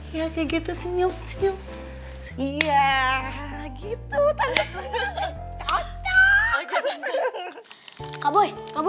iya kayak gitu senyum senyum